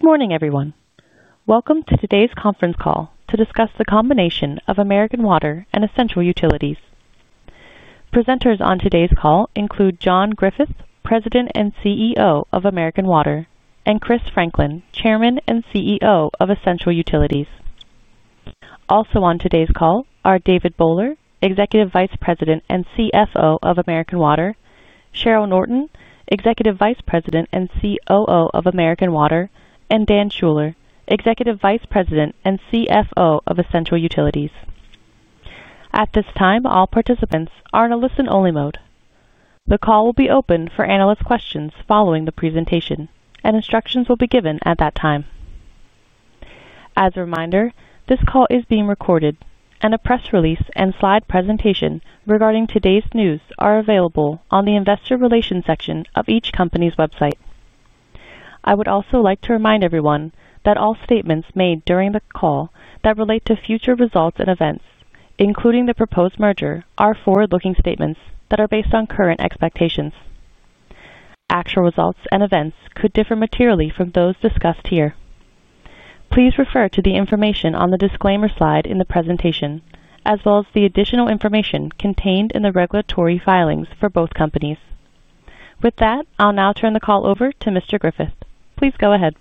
Good morning, everyone. Welcome to today's conference call to discuss the combination of American Water and Essential Utilities. Presenters on today's call include John Griffith, President and CEO of American Water and Chris Franklin, Chairman and CEO of Essential Utilities. Also on today's call are David Bowler, Executive Vice President and CFO of American Water Cheryl Norton, Executive Vice President and COO of American Water and Dan Schuller, Executive Vice President and CFO of Essential Utilities. At this time, all participants are in a listen only mode. The call will be opened for analyst questions following the presentation and instructions will be given at that time. As a reminder, this call is being recorded and a press release and slide presentation regarding today's news are available on the Investor Relations section of each company's website. I would also like to remind everyone that all statements made during the call that relate to future results and events, including the proposed merger, are forward looking statements that are based on current expectations. Actual results and events could differ materially from those discussed here. Please refer to the information on the disclaimer slide in the presentation as well as the additional information contained in the regulatory filings for both companies. With that, I'll now turn the call over to Mr. Griffith. Please go ahead.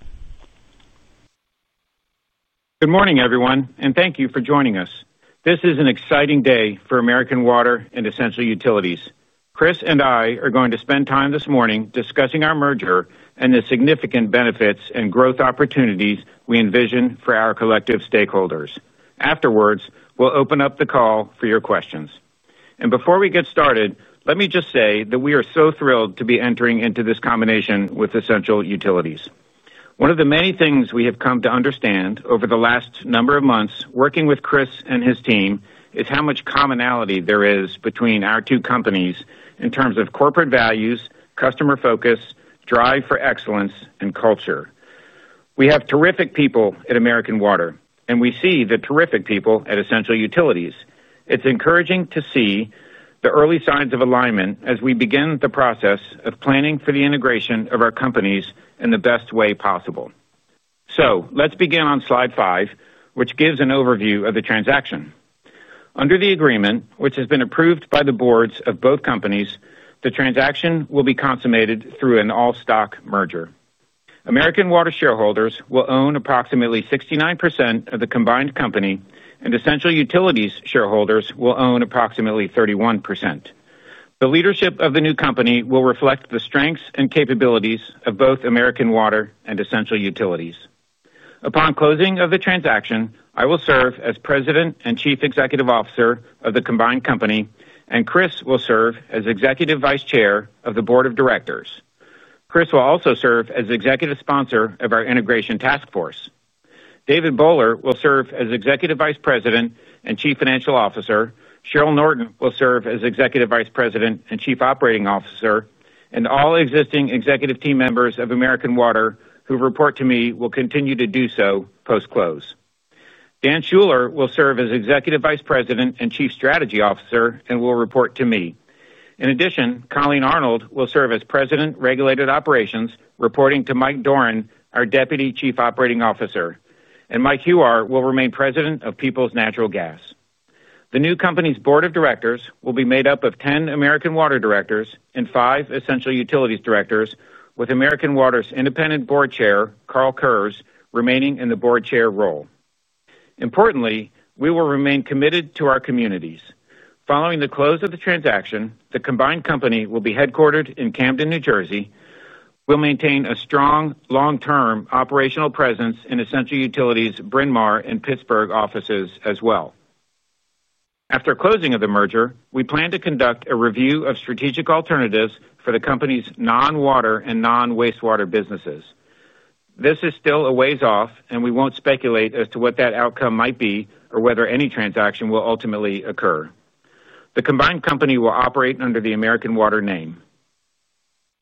Good morning, everyone, and thank you for joining us. This is an exciting day for American Water and Essential Utilities. Chris and I are going to spend time this morning discussing our merger and the significant benefits and growth opportunities we envision for our collective stakeholders. Afterwards, we'll open up the call for your questions. And before we get started, let me just say that we are so thrilled to be entering into this combination with Essential Utilities. One of the many things we have come to understand over the last number of months working with Chris and his team is how much commonality there is between our two companies in terms of corporate values, customer focus, drive for excellence and culture. We have terrific people at American Water, and we see the terrific people at Essential Utilities. It's encouraging to see the early signs of alignment as we begin the process of planning for the integration of our companies in the best way possible. So let's begin on Slide five, which gives an overview of the transaction. Under the agreement, which has been approved by the boards of both companies, the transaction will be consummated through an all stock merger. American Water shareholders will own approximately 69% of the combined company, and Essential Utilities shareholders will own approximately 31%. The leadership of the new company will reflect the strengths and capabilities of both American Water and Essential Utilities. Upon closing of the transaction, I will serve as President and Chief Executive Officer of the combined company, and Chris will serve as Executive Vice Chair of the Board of Directors. Chris will also serve as Executive Sponsor of our integration task force. David Bohler will serve as Executive Vice President and Chief Financial Officer Cheryl Norton will serve as Executive Vice President and Chief Operating Officer and all existing executive team members of American Water who report to me will continue to do so post close. Dan Schuller will serve as Executive Vice President and Chief Strategy Officer and will report to me. In addition, Colleen Arnold will serve as President, Regulated Operations, reporting to Mike Doran, our Deputy Chief Operating Officer. And Mike Huar will remain President of Peoples Natural Gas. The new company's Board of Directors will be made up of 10 American Water Directors and five Essential Utilities Directors, with American Water's Independent Board Chair, Karl Kurz, remaining in the Board Chair role. Importantly, we will remain committed to our communities. Following the close of the transaction, the combined company will be headquartered in Camden, New Jersey. We'll maintain a strong long term operational presence in Essential Utilities' Bryn Mawr and Pittsburgh offices as well. After closing of the merger, we plan to conduct a review of strategic alternatives for the company's non water and non wastewater businesses. This is still a ways off, and we won't speculate as to what that outcome might be or whether any transaction will ultimately occur. The combined company will operate under the American Water name.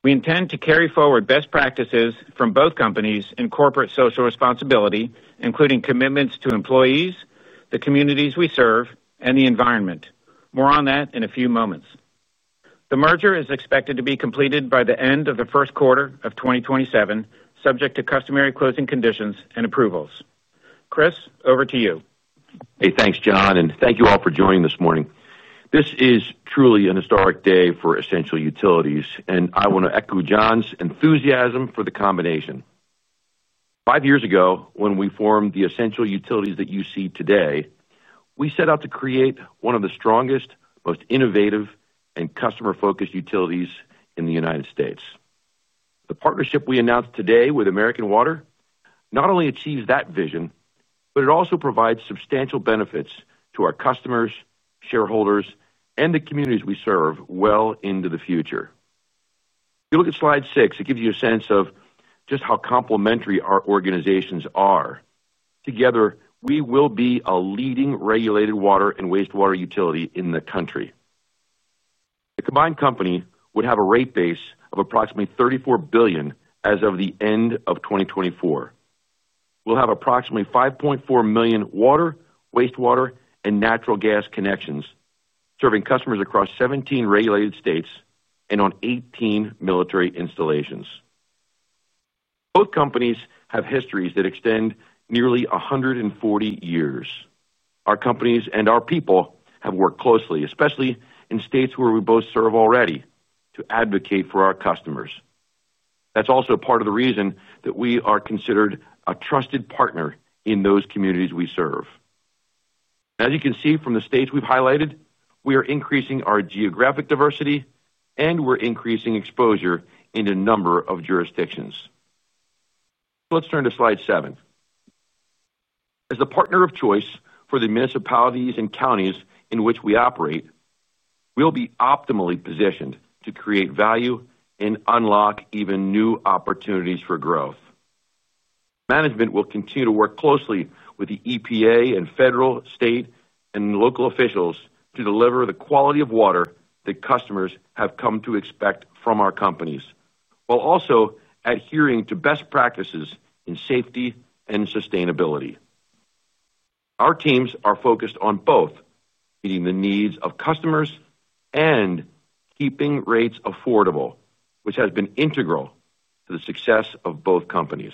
We intend to carry forward best practices from both companies in corporate social responsibility, including commitments to employees, the communities we serve and the environment. More on that in a few moments. The merger is expected to be completed by the end of the 2027, subject to customary closing conditions and approvals. Chris, over to you. Hey, thanks, John, and thank you all for joining this morning. This is truly an historic day for Essential Utilities, and I want to echo John's enthusiasm for the combination. Five years ago, when we formed the Essential Utilities that you see today, we set out to create one of the strongest, most innovative and customer focused utilities in The United States. The partnership we announced today with American Water not only achieves that vision, but it also provides substantial benefits to our customers, shareholders and the communities we serve well into the future. If you look at Slide six, it gives you a sense of just how complementary our organizations are. Together, we will be a leading regulated water and wastewater utility in the country. The combined company would have a rate base of approximately $34,000,000,000 as of the 2024. We'll have approximately $5,400,000 water, wastewater and natural gas connections, serving customers across 17 regulated states and on 18 military installations. Both companies have histories that extend nearly one hundred and forty years. Our companies and our people have worked closely, especially in states where we both serve already to advocate for our customers. That's also part of the reason that we are considered a trusted partner in those communities we serve. As you can see from the states we've highlighted, we are increasing our geographic diversity and we're increasing exposure in a number of jurisdictions. Let's turn to Slide seven. As the partner of choice for the municipalities and counties in which we operate, we'll be optimally positioned to create value and unlock even new opportunities for growth. Management will continue to work closely with the EPA and federal, state and local officials to deliver the quality of water that customers have come to expect from our companies, while also adhering to best practices in safety and sustainability. Our teams are focused on both, meeting the needs of customers and keeping rates affordable, which has been integral to the success of both companies.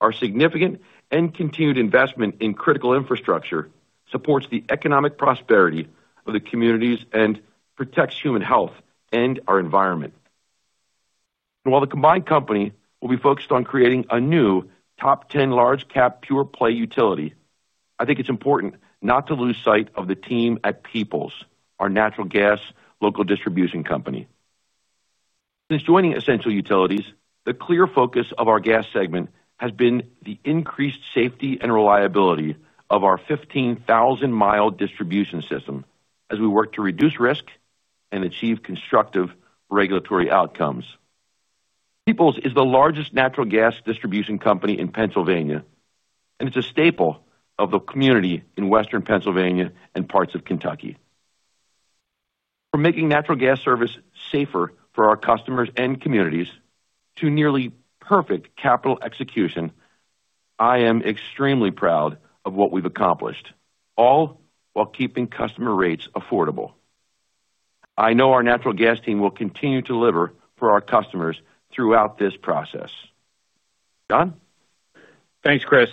Our significant and continued investment in critical infrastructure supports the economic prosperity of the communities and protects human health and our environment. And while the combined company will be focused on creating a new top 10 large cap pure play utility, I think it's important not to lose sight of the team at Peoples, our natural gas local distribution company. Since joining Essential Utilities, the clear focus of our Gas segment has been the increased safety and reliability of our 15,000 mile distribution system as we work to reduce risk and achieve constructive regulatory outcomes. Peoples is the largest natural gas distribution company in Pennsylvania, and it's a staple of the community in Western Pennsylvania and parts of Kentucky. From making natural gas service safer for our customers and communities to nearly perfect capital execution, I am extremely proud of what we've accomplished, all while keeping customer rates affordable. I know our natural gas team will continue to deliver for our customers throughout this process. John? Thanks, Chris.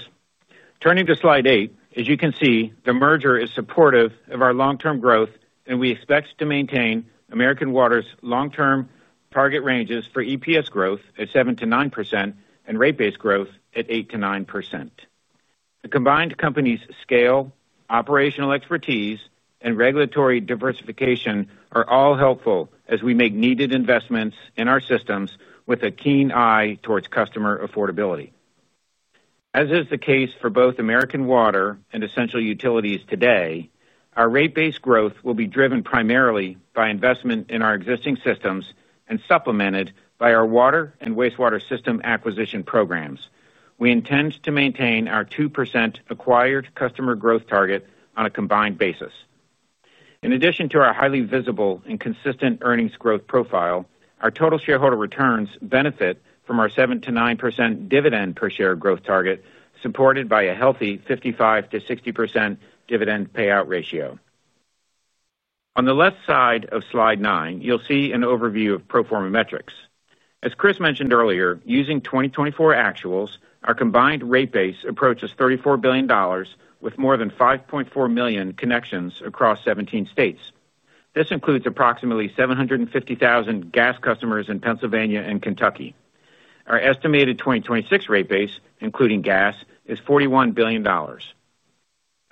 Turning to Slide eight. As you can see, the merger is supportive of our long term growth, and we expect to maintain American Water's long term target ranges for EPS growth at 7% to 9% and rate base growth at eight to 9%. The combined company's scale, operational expertise and regulatory diversification are all helpful as we make needed investments in our systems with a keen eye towards customer affordability. As is the case for both American Water and Essential Utilities today, our rate base growth will be driven primarily by investment in our existing systems and supplemented by our water and wastewater system acquisition programs. We intend to maintain our 2% acquired customer growth target on a combined basis. In addition to our highly visible and consistent earnings growth profile, our total shareholder returns benefit from our 7% to 9% dividend per share growth target, supported by a healthy 55% to 60% dividend payout ratio. On the left side of Slide nine, you'll see an overview of pro form a metrics. As Chris mentioned earlier, using 2024 actuals, our combined rate base approaches $34,000,000,000 with more than 5,400,000 connections across 17 states. This includes approximately 750,000 gas customers in Pennsylvania and Kentucky. Our estimated 2026 rate base, including gas, is $41,000,000,000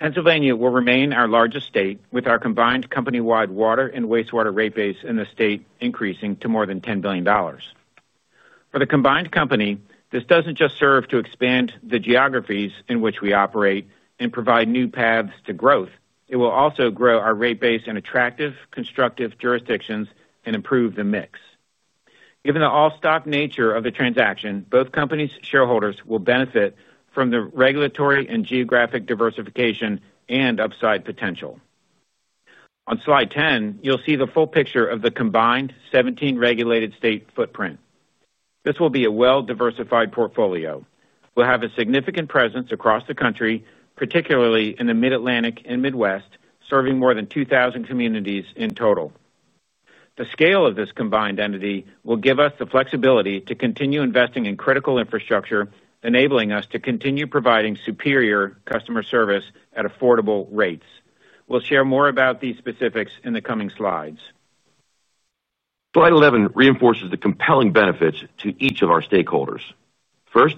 Pennsylvania will remain our largest state with our combined company wide water and wastewater rate base in the state increasing to more than $10,000,000,000 For the combined company, this doesn't just serve to expand the geographies in which we operate and provide new paths to growth. It will also grow our rate base in attractive, constructive jurisdictions and improve the mix. Given the all stock nature of the transaction, both companies' shareholders will benefit from the regulatory and geographic diversification and upside potential. On Slide 10, you'll see the full picture of the combined 17 regulated state footprint. This will be a well diversified portfolio. We'll have a significant presence across the country, particularly in the Mid Atlantic and Midwest, serving more than 2,000 communities in total. The scale of this combined entity will give us the flexibility to continue investing in critical infrastructure, enabling us to continue providing superior customer service at affordable rates. We'll share more about these specifics in the coming slides. Slide 11 reinforces the compelling benefits to each of our stakeholders. First,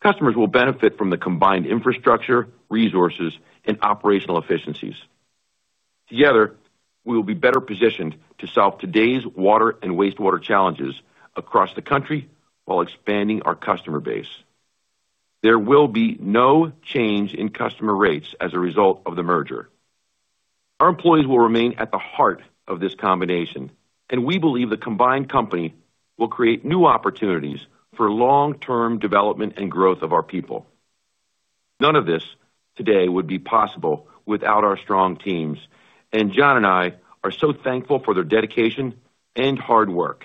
customers will benefit from the combined infrastructure, resources and operational efficiencies. Together, we will be better positioned to solve today's water and wastewater challenges across the country while expanding our customer base. There will be no change in customer rates as a result of the merger. Our employees will remain at the heart of this combination, and we believe the combined company will create new opportunities for long term development and growth of our people. None of this today would be possible without our strong teams, and John and I are so thankful for their dedication and hard work.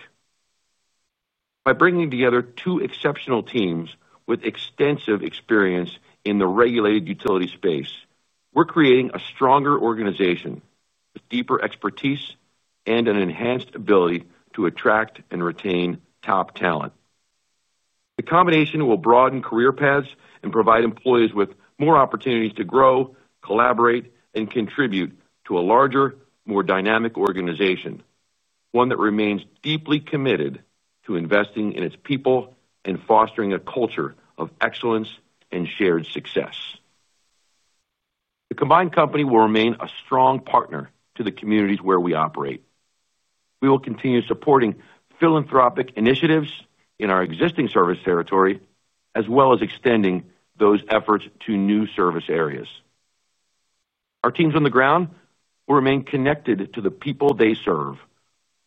By bringing together two exceptional teams with extensive experience in the regulated utility space, we're creating a stronger organization with deeper expertise and an enhanced ability to attract and retain top talent. The combination will broaden career paths and provide employees with more opportunities to grow, collaborate and contribute to a larger, more dynamic organization, one that remains deeply committed to investing in its people and fostering a culture of excellence and shared success. The combined company will remain a strong partner to the communities where we operate. We will continue supporting philanthropic initiatives in our existing service territory as well as extending those efforts to new service areas. Our teams on the ground will remain connected to the people they serve,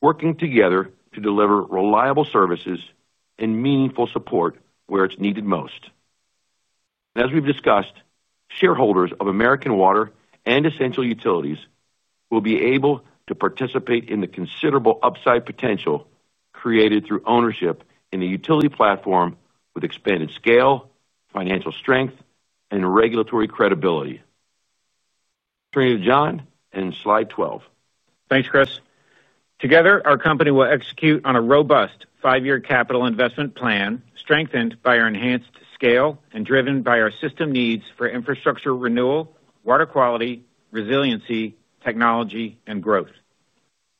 working together to deliver reliable services and meaningful support where it's needed most. As we've discussed, shareholders of American Water and Essential Utilities will be able to participate in the considerable upside potential created through ownership in the utility platform with expanded scale, financial strength and regulatory credibility. Turning to John and Slide 12. Thanks, Chris. Together, our company will execute on a robust five year capital investment plan, strengthened by our enhanced scale and driven by our system needs for infrastructure renewal, water quality, resiliency, technology and growth.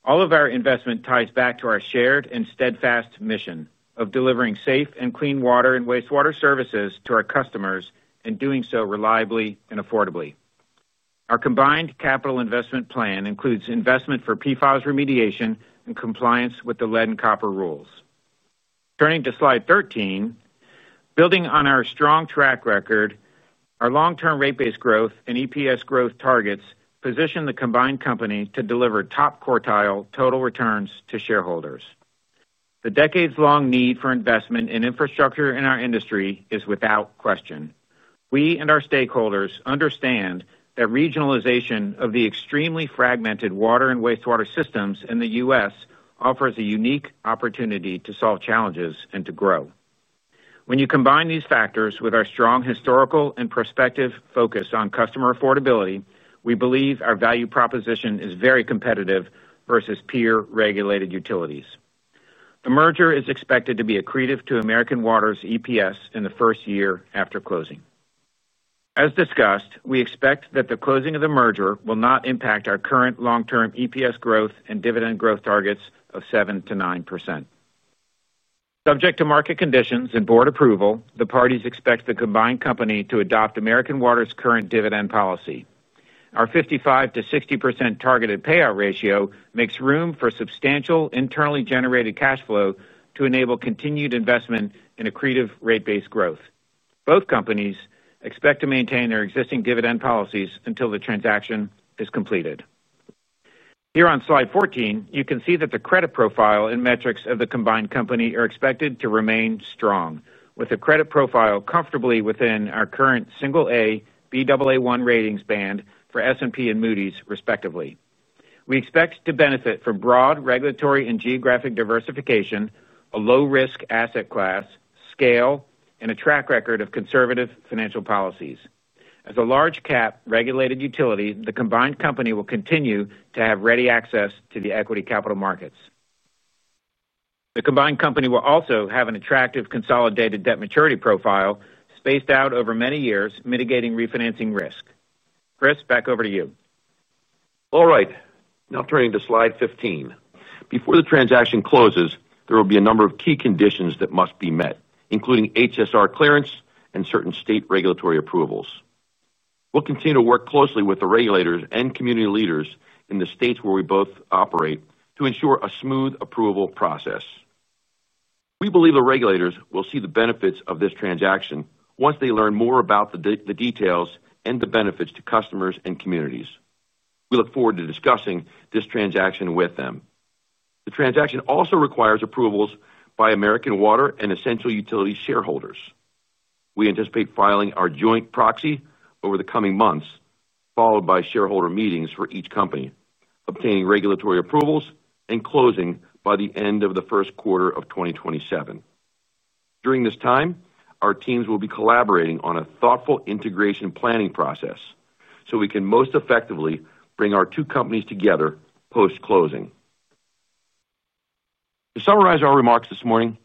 All of our investment ties back to our shared and steadfast mission of delivering safe and clean water and wastewater services to our customers and doing so reliably and affordably. Our combined capital investment plan includes investment for PFAS remediation in compliance with the lead and copper rules. Turning to Slide 13. Building on our strong track record, our long term rate base growth and EPS growth targets position the combined company to deliver top quartile total returns to shareholders. The decades long need for investment in infrastructure in our industry is without question. We and our stakeholders understand that regionalization of the extremely fragmented water and wastewater systems in The U. S. Offers a unique opportunity to solve challenges and to grow. When you combine these factors with our strong historical and prospective focus on customer affordability, we believe our value proposition is very competitive versus peer regulated utilities. The merger is expected to be accretive to American Water's EPS in the first year after closing. As discussed, we expect that the closing of the merger will not impact our current long term EPS growth and dividend growth targets of 7% to 9%. Subject to market conditions and Board approval, the parties expect the combined company to adopt American Water's current dividend policy. Our 55% to 60% targeted payout ratio makes room for substantial internally generated cash flow to enable continued investment in accretive rate base growth. Both companies expect to maintain their existing dividend policies until the transaction is completed. Here on Slide 14, you can see that the credit profile and metrics of the combined company are expected to remain strong, with the credit profile comfortably within our current A, Baa1 ratings band for S and P and Moody's, respectively. We expect to benefit from broad regulatory and geographic diversification, a low risk asset class, scale and a track record of conservative financial policies. As a large cap regulated utility, the combined company will continue to have ready access to the equity capital markets. The combined company will also have an attractive consolidated debt maturity profile spaced out over many years, mitigating refinancing risk. Chris, back over to you. All right. Now turning to Slide 15. Before the transaction closes, there will be a number of key conditions that must be met, including HSR clearance and certain state regulatory approvals. We'll continue to work closely with the regulators and community leaders in the states where we both operate to ensure a smooth approval process. We believe the regulators will see the benefits of this transaction once they learn more about the details and the benefits to customers and communities. We look forward to discussing this transaction with them. The transaction also requires approvals by American Water and Essential Utilities shareholders. We anticipate filing our joint proxy over the coming months, followed by shareholder meetings for each company, obtaining regulatory approvals and closing by the end of the 2027. During this time, our teams will be collaborating on a thoughtful integration planning process, so we can most effectively bring our two companies together post closing. To summarize our remarks this morning,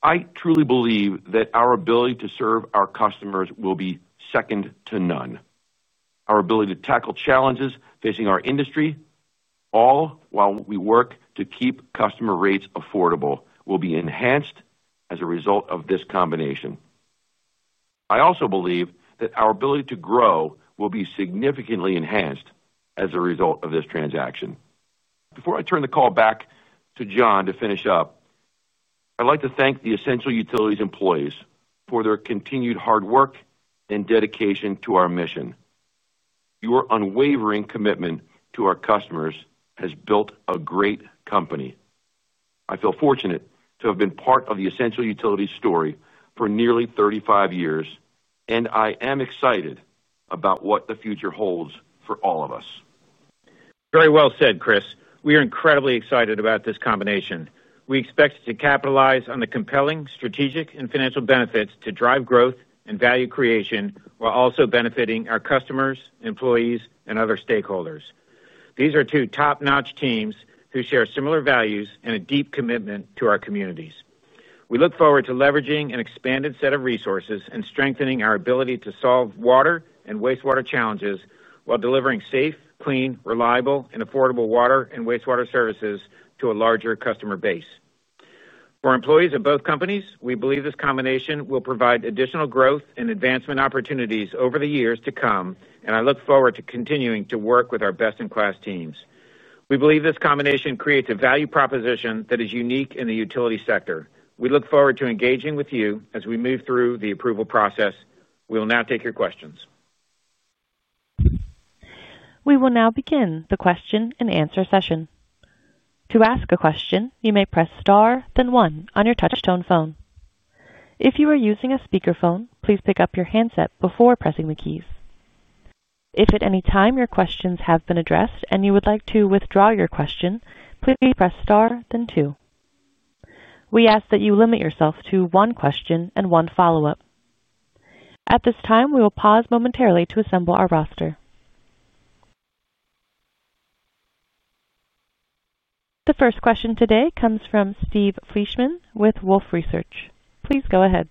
I truly believe that our ability to serve our customers will be second to none. Our ability to tackle challenges facing our industry, all while we work to keep customer rates affordable will be enhanced as a result of this combination. I also believe that our ability to grow will be significantly enhanced as a result of this transaction. Before I turn the call back to John to finish up, I'd like to thank the Essential Utilities employees for their continued hard work and dedication to our mission. Your unwavering commitment to our customers has built a great company. I feel fortunate to have been part of the Essential Utilities story for nearly thirty five years, and I am excited about what the future holds for all of us. Very well said, Chris. We are incredibly excited about this combination. We expect to capitalize on the compelling strategic and financial benefits to drive growth and value creation while also benefiting our customers, employees and other stakeholders. These are two top notch teams who share similar values and a deep commitment to our communities. We look forward to leveraging an expanded set of resources and strengthening our ability to solve water and wastewater challenges while delivering safe, clean, reliable and affordable water and wastewater services to a larger customer base. For employees of both companies, we believe this combination will provide additional growth and advancement opportunities over the years to come, and I look forward to continuing to work with our best in class teams. We believe this combination creates a value proposition that is unique in the utility sector. We look forward to engaging with you as we move through the approval process. We will now take your questions. We will now begin the question and answer session. Session. The first question today comes from Steve Fleishman with Wolfe Research. Please go ahead.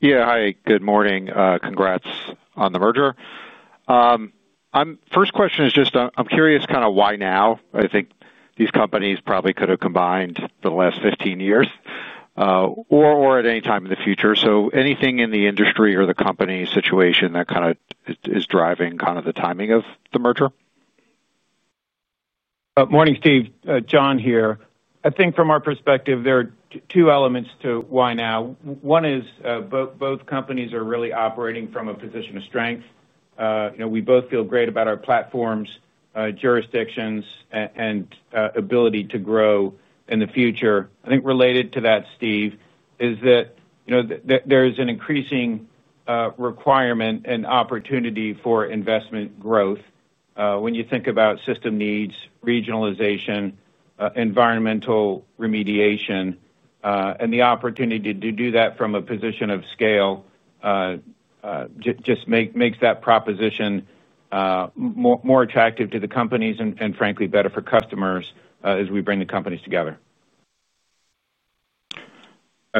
Yes. Hi, good morning. Congrats on the merger. First question is just I'm curious kind of why now? I think these companies probably could have combined the last fifteen years, or at any time in the future. So anything in the industry or the company situation that kind of is driving kind of the timing of the merger? Steve, John here. I think from our perspective, there are two elements to why now. One is both companies are really operating from a position of strength. We both feel great about our platforms, jurisdictions and ability to grow in the future. I think related to that, Steve, is that there is an increasing requirement and opportunity for investment growth when you think about system needs, regionalization, environmental remediation, and the opportunity to do that from a position of scale just makes that proposition more attractive to the companies and frankly better for customers as we bring the companies together.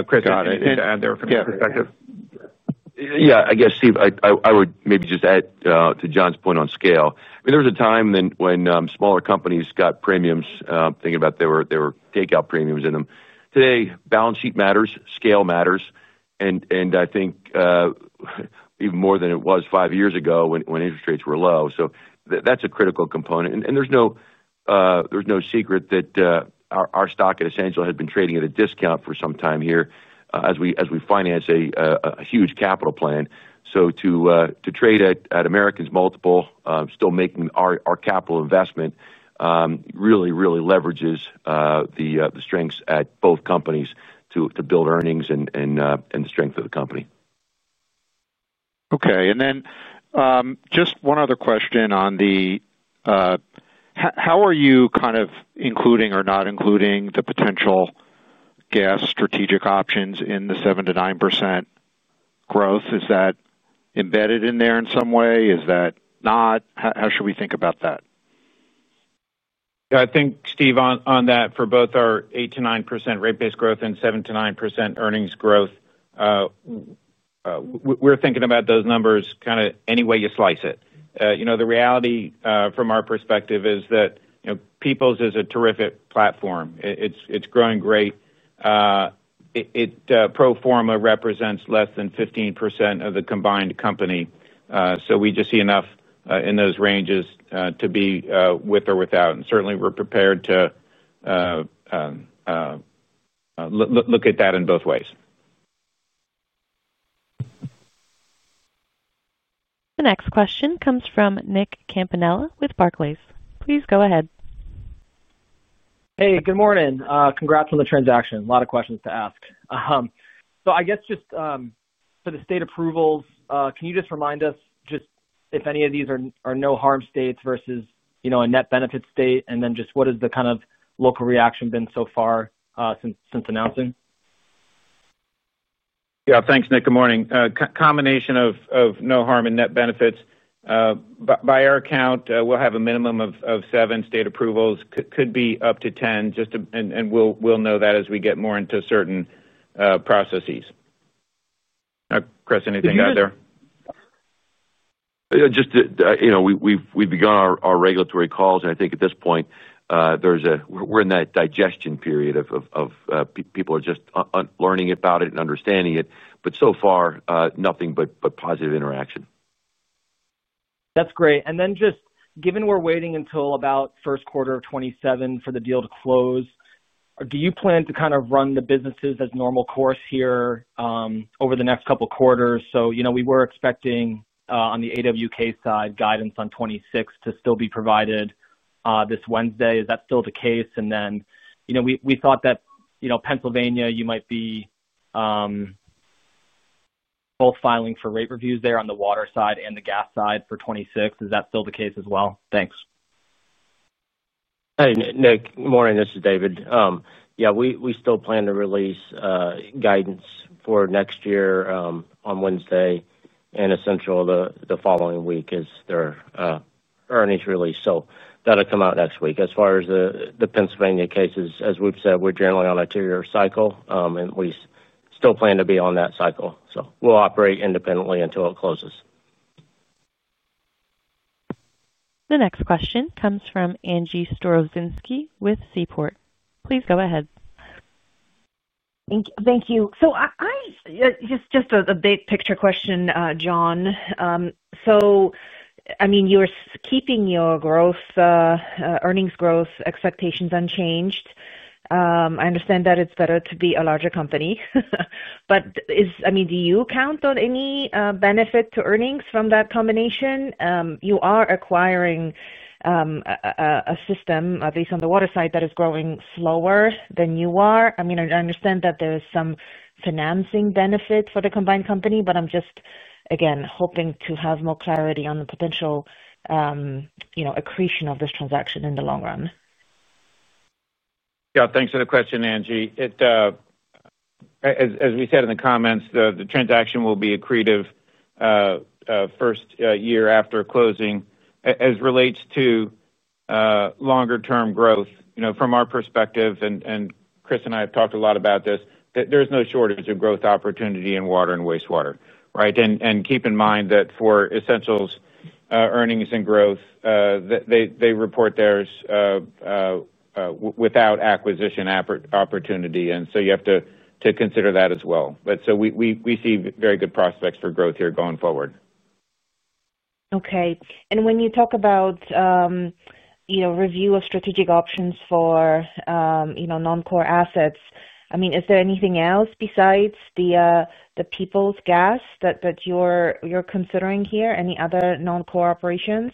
Chris, anything Yes. To add there from your I guess, Steve, I would maybe just add to John's point on scale. I mean, there was a time when smaller companies got premiums thinking about they were takeout premiums in them. Today, balance sheet matters, scale matters. And I think even more than it was five years ago when interest rates were low. So that's a critical component and there's no secret that our stock at Essential had been trading at a discount for some time here as finance a huge capital plan. So to trade at American's multiple still making our capital investment really, really leverages the strengths at both companies to build earnings and strength of the company. Okay. And then just one other question on the how are you kind of including or not including the potential gas strategic options in the 7% to 9% growth? Is that embedded in there in some way? Is that not? How should we think about that? Yes. I think, Steve, on that for both our 8% to 9% rate base growth and 7% to 9% earnings growth, We're thinking about those numbers kind of any way you slice it. The reality from our perspective is that Peoples is a terrific platform. It's growing great. It pro form a represents less than 15% of the combined company. So we just see enough in those ranges to be with or without. And certainly, we're prepared to look at that in both ways. The next question comes from Nick Campanella with Barclays. Please go ahead. Congrats on the transaction. A lot of questions to ask. So I guess just for the state approvals, can you just remind us just if any of these are no harm states versus a net benefit state? And then just what is the kind of local reaction been so far since announcing? Yes. Thanks, Nick. Good morning. Combination of no harm and net benefits. By our account, we'll have a minimum of seven state approvals, could be up to 10, just and we'll know that as we get more into certain processes. Chris, anything out there? Just we've begun our regulatory calls and I think at this point, there's a we're in that digestion period of people are just learning about it and understanding it, but so far, nothing but positive interaction. That's great. And then just given we're waiting until about 2027 for the deal to close, do you plan to kind of run the businesses as normal course here, over the next couple of quarters? So we were expecting on the AWK side guidance on '26 to still be provided, this Wednesday. Is that still the case? And then we thought that Pennsylvania, might be both filing for rate reviews there on the water side and the gas side for '26. Is that still the case as well? Thanks. Hi, Nick. Good morning. This is David. Yes, we still plan to release guidance for next year on Wednesday and essential the following week is their earnings release. That will come out next week. As far as the Pennsylvania cases, as we've said, we're generally on a two year cycle, and we still plan to be on that cycle. So we'll operate independently until it closes. The next question comes from Angie Storozynski with Seaport. Please go ahead. Thank you. So I just a big picture question, John. So I mean, you're keeping your growth earnings growth expectations unchanged. I understand that it's better to be a larger company. But is I mean, do you count on any benefit to earnings from that combination? You are acquiring a system, at least on the Waterside, that is growing slower than you are. I mean, I understand that there is some financing benefit for the combined company, but I'm just, again, hoping to have more clarity on the potential accretion of this transaction in the long run. Yes. Thanks for the question, Angie. As we said in the comments, the transaction will be accretive first year after closing. As it relates to longer term growth, from our perspective, and Chris and I have talked a lot about this, there is no shortage of growth opportunity in water and wastewater, right? And keep in mind that for Essentials earnings and growth, they report theirs without acquisition opportunity. And so you have to consider that as well. But so we see very good prospects for growth here going forward. Okay. And when you talk about review of strategic options for noncore assets, I mean, is there anything else besides the Peoples Gas that you're considering here? Any other non core operations?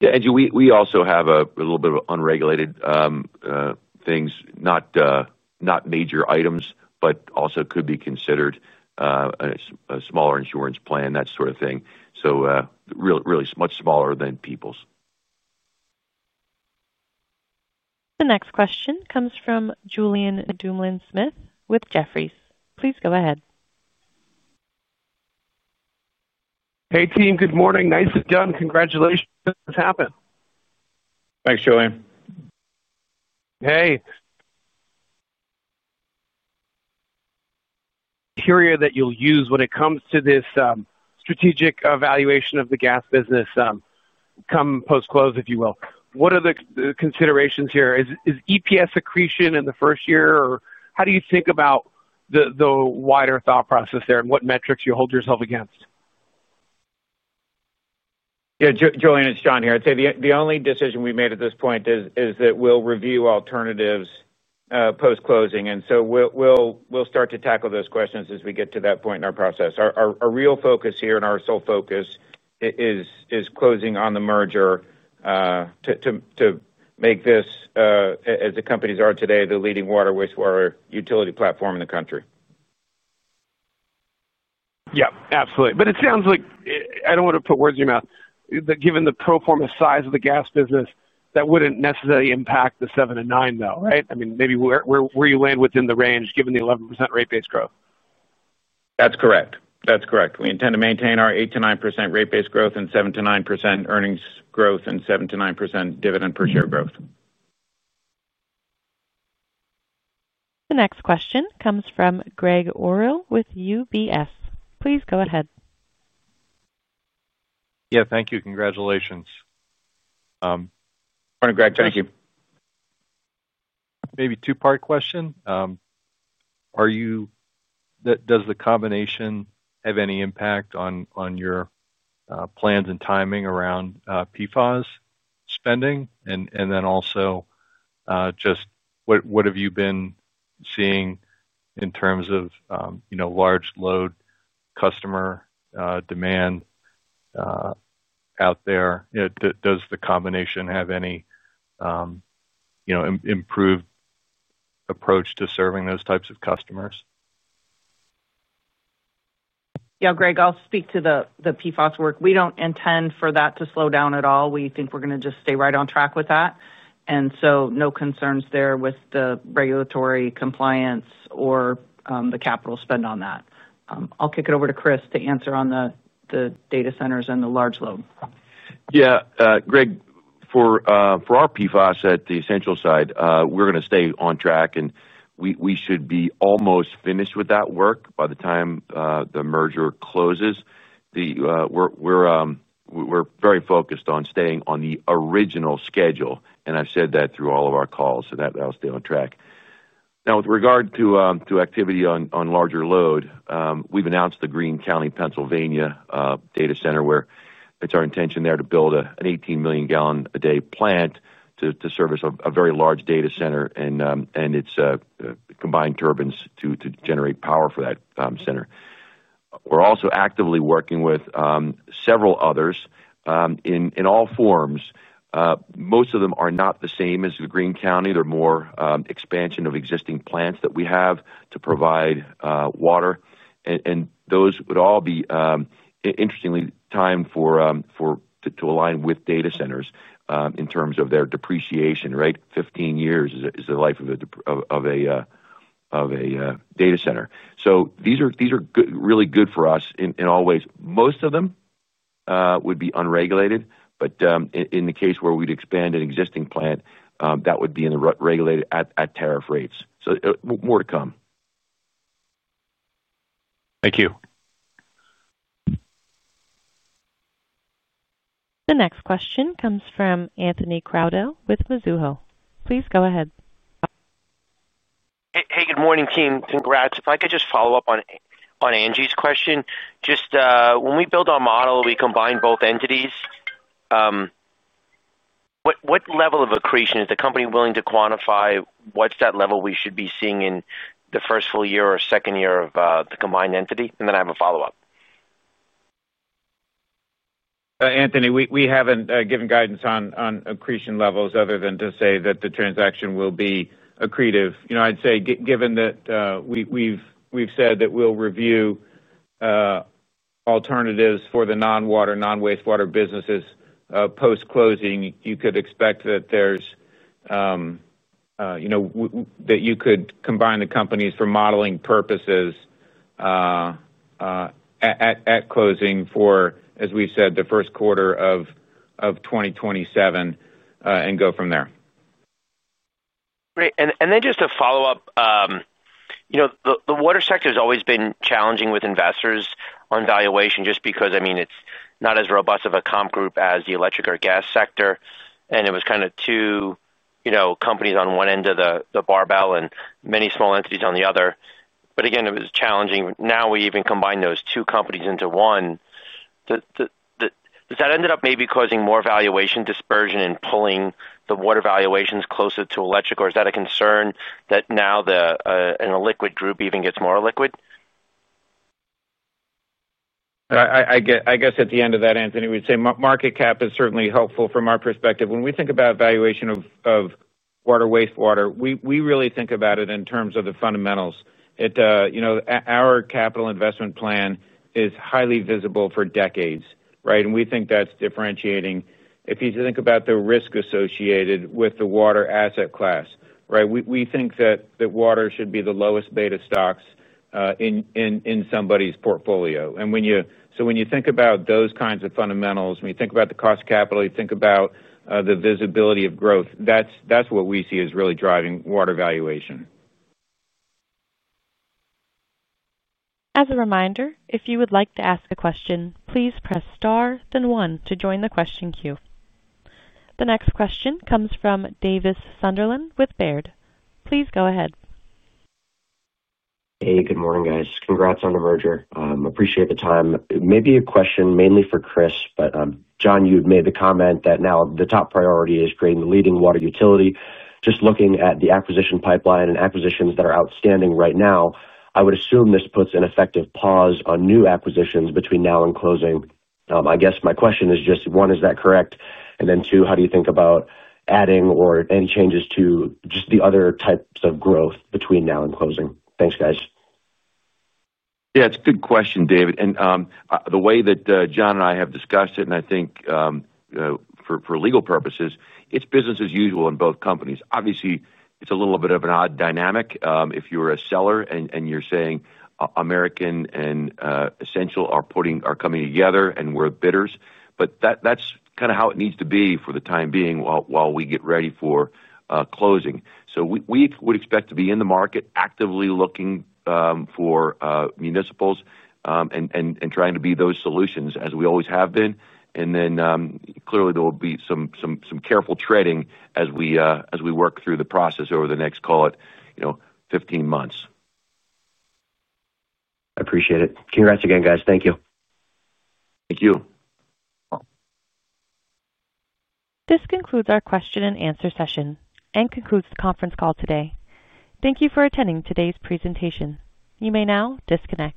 Yes, we also have a little bit of unregulated things, not major items, but also could be considered a smaller insurance plan that sort of thing. So really much smaller than Peoples. The next question comes from Julien Dumoulin Smith with Jefferies. Please go ahead. Hey, team. Good morning. Nice and done. Congratulations on what's happened. Thanks, Julien. Curious what's the criteria that you'll use when it comes to this strategic valuation of the gas business come post close, if you will. What are the considerations here? Is EPS accretion in the first year? Or how do you think about the wider thought process there? And what metrics you hold yourself against? Julian, it's John here. I'd say the only decision we made at this point is that we'll review alternatives post closing. And so we'll start to tackle those questions as we get to that point in our process. Our real focus here and our sole focus is closing on the merger, to make this, as the companies are today, the leading water wastewater utility platform in the country. Yes, absolutely. But it sounds like I don't want to put words in your mouth, that given the pro form a size of the gas business, that wouldn't necessarily impact the 7% to 9% though, right? I mean maybe where you land within the range given the 11% rate base growth? That's correct. That's correct. We intend to maintain our eight to 9% rate base growth and 7% to 9% earnings growth and seven percent to 9% dividend per share growth. The next question comes from Greg Orrill with UBS. Please go ahead. Yes. Thank you. Congratulations. Good morning, Greg. Thank you. Two part question. Are you does the combination have any impact on your plans and timing around PFAS spending? And then also, just what have you been seeing in terms of large load customer demand out there? Does the combination have any improved approach to serving those types of customers? Yes. Greg, I'll speak to the PFAS work. We don't intend for that to slow down at all. We think we're going to just stay right on track with that. And so no concerns there with the regulatory compliance or the capital spend on that. I'll kick it over to Chris to answer on the data centers and the large load. Yes. Greg, for our PFAS at the essential side, we're going to stay on track and we should be almost finished with that work by the time the merger closes. We're very focused on staying on the original schedule and I've said that through all of our calls so that I'll stay on track. Now with regard to activity on larger load, we've announced the Greene County, Pennsylvania data center where it's our intention there to build an 18,000,000 gallon a day plant to service a very large data center and it's a combined turbines to generate power for that center. We're also actively working with several others in all forms. Most of them are not the same as the Greene County, they're more expansion of existing plants that we have to provide water. And those would all be interestingly time for to align with data centers in terms of their depreciation rate, fifteen years is the life of a data center. So these really good for us in always, most of them would be unregulated, but in the case where we'd expand an existing plant that would be regulated at tariff rates. So more to come. Thank you. The next question comes from Anthony Crowdell with Mizuho. Please go ahead. Hey, good morning team. Congrats. If I could just follow-up on Angie's question. Just when we build our model, we combine both entities. What level of accretion is the company willing to quantify what's that level we should be seeing in the first full year or second year of the combined entity? And then I have a follow-up. Anthony, we haven't given guidance on accretion levels other than to say that the transaction will be accretive. I'd say given that we've said that we'll review alternatives for the non water, non wastewater businesses post closing. You could expect that there's that you could combine the companies for modeling purposes at closing for, as we said, the 2027, and go from there. Great. And then just a follow The water sector has always been challenging with investors on valuation just because I mean it's not as robust of a comp group as the electric or gas sector. And it was kind of two companies on one end of the barbell and many small entities on the other. But again, it was challenging. Now we even combine those two companies into one. Does that ended up maybe causing more valuation dispersion in pulling the water valuations closer to electric? Or is that a concern that now the liquid group even gets more liquid? I guess at the end of that, Anthony, we'd say market cap is certainly helpful from our perspective. When we think about valuation of water wastewater, we really think about it in terms of the fundamentals. Our capital investment plan is highly visible for decades, right? And we think that's differentiating. If you think about the risk associated with the water asset class, right, we think that water should be the lowest beta stocks in somebody's portfolio. And when you so when you think about those kinds of fundamentals, when you think about the cost of capital, you think about the visibility of growth, that's what we see as really driving water valuation. The next question comes from Davis Sunderland with Baird. Please go ahead. Hey, good morning, guys. Congrats on the merger. Appreciate the time. Maybe a question mainly for Chris. But John, you had made the comment that now the top priority is creating the leading water utility. Just looking at the acquisition pipeline and acquisitions that are outstanding right now, I would assume this puts an effective pause on new acquisitions between now and closing. I guess my question is just one, is that correct? And then two, how do you think about adding or any changes to just the other types of growth between now and closing? Thanks, guys. Yes, it's a good question, David. And the way that John and I have discussed it and I think for legal purposes, it's business as usual in both companies. Obviously, it's a little bit of an odd dynamic. If you're a seller and you're saying American and Essential are putting are coming together and we're bidders, but that's kind of how it needs to be for the time being while we get ready for closing. So we would expect to be in the market actively looking for municipals and trying to be those solutions as we always have been. And then clearly there will be some careful trading as we work through the process over the next call it fifteen months. This concludes our question and answer session and concludes the conference call today. Thank you for attending today's presentation. You may now disconnect.